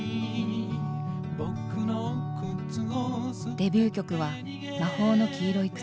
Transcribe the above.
デビュー曲は「魔法の黄色い靴」。